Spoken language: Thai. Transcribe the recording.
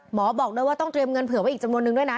บอกเลยว่าต้องเตรียมเงินเผื่อไว้อีกจำนวนนึงด้วยนะ